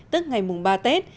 tức ngày mùng ba tết